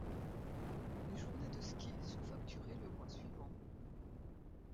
Les journées de ski sont facturées le mois suivant.